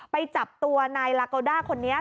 ไปจับตัวนายลาโกด้าคนนี้